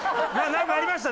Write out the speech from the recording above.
なんかありました？